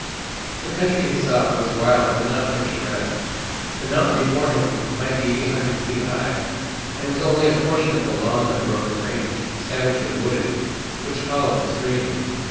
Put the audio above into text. The country he saw was wild but not picturesque. The mountain before him might be eight hundred feet high, and was only a portion of a long unbroken range, savagely wooded, which followed the stream.